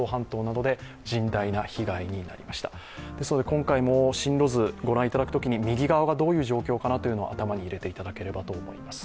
今回も進路図を御覧いただくときに右側がどういう状況かを頭に入れていただければと思います。